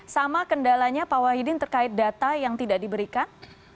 sama kendalanya pak wahidin terkait data yang tidak diberikan